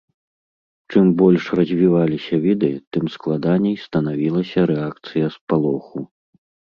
Чым больш развіваліся віды, тым складаней станавілася рэакцыя спалоху.